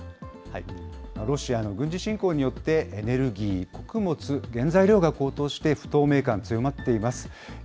ロシアの軍事侵攻によって、エネルギー、穀物、原材料が高騰して、不透明感強まっています。